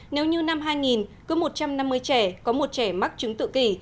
nếu như năm hai nghìn cứ một trăm năm mươi trẻ có một trẻ mắc chứng tự kỷ